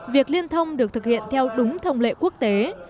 việc liên thông được thực hiện theo đúng thông lệ quốc tế